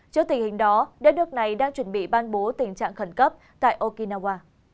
trước tình hình đó đất nước này đang chuẩn bị ban bố tình trạng khẩn cấp tại okinawa